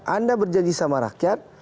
anda berjanji sama rakyat